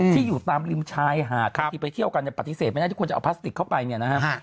ที่อยู่ตามริมชายหาดที่ไปเที่ยวกันจะปฏิเสธไม่น่าที่ควรจะเอาพลาสติกเข้าไปเนี่ยนะครับ